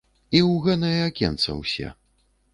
І ў гэнае акенца ўсе.